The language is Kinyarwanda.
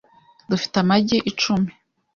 Dufite amagi-icumi .